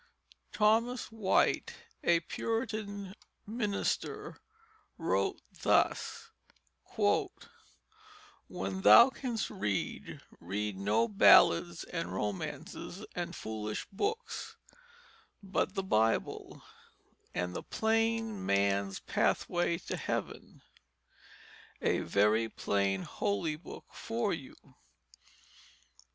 Thomas White, a Puritan minister, wrote thus: "When thou canst read, read no ballads and romances and foolish books, but the Bible and the Plaine Man's Pathway to Heaven, a very plaine holy book for you.